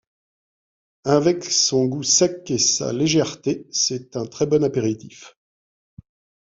Avec son goût sec et sa légèreté, c'est un très bon apéritif.